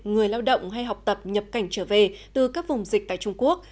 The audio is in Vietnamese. người lao động hay học tập nhập cảnh trở về từ các vùng dịch tại trung quốc